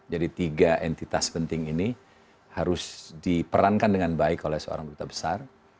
jadi tiga entitas penting ini harus diperankan dengan baik oleh seorang duta besar